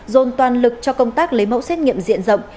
dồn toàn lực cho công tác lấy mẫu xét nghiệm diện rộng